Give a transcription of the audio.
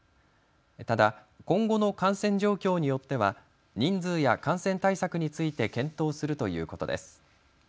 ただ今後の感染状況によっては人数や感染対策について検討するということです。